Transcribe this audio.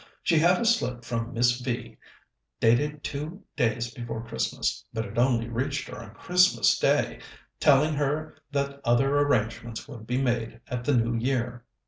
She had a slip from Miss V. dated two days before Christmas but it only reached her on Christmas Day telling her that other arrangements would be made at the New Year.